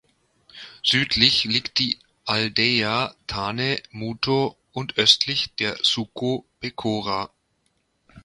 Südlich liegt die Aldeia Tane Muto und östlich der Suco Becora.